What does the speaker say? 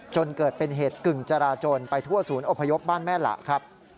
จนเกิดเป็นเหตุกึ่งจราจนไปทั่วศูนย์อพยพบ้านแม่หละครับ